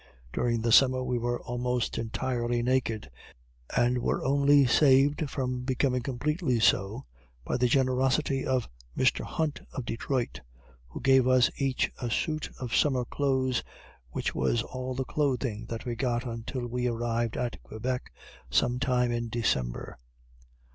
During the summer we were almost entirely naked; and were only saved from becoming completely so by the generosity of Mr. Hunt of Detroit, who gave us each a suit of summer clothes; which was all the clothing that we got until after we arrived at Quebec, sometime in December.